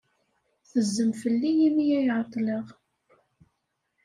Tezzem fell-i imi ay ɛeḍḍleɣ.